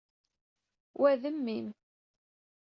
Wa, d mmi-m.